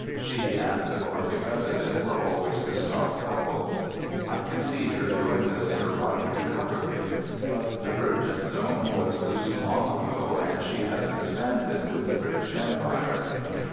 She and the courtly President were always the star couple. I can see her doing the Sir Roger de Coverley. But the virgin zone was loosed long ago, and she has expanded with the British Empire.